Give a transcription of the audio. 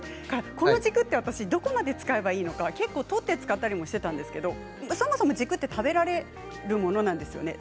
この軸ってどこまで使えばいいのか取って使ったりしていたんですけどそもそも軸は食べられるものなんですよね。